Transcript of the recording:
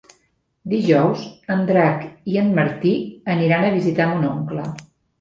Dijous en Drac i en Martí aniran a visitar mon oncle.